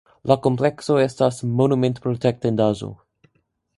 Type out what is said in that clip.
La komplekso estas monumentprotektendaĵo.